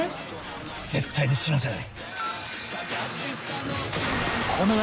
絶対に死なせない。